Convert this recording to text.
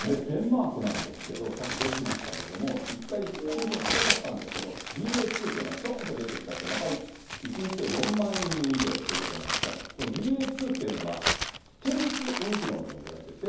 デンマークなんですけど、さっき出てましたけども、１回、収束しかかったんですけれども、ＢＡ２っていうのがどーんと出てきちゃって、１日で４万人以上ということなんですが、このＢＡ２というのが、ステルス・オミクロンとも言われてて。